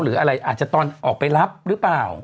หรืออะไรอาจจะตอนออกไปรับหรือเปล่า